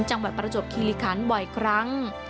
จังหวัดประจบคิริคันบ่อยครั้ง